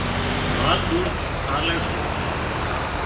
مال ۮُوڌ آلي سي